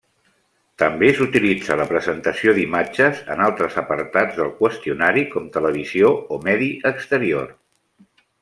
També s'utilitza la presentació d'imatges en altres apartats del qüestionari com televisió o medi exterior.